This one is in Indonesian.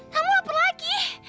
kamu laper lagi